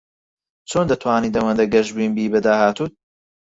چۆن دەتوانیت ئەوەندە گەشبین بیت بە داهاتوو؟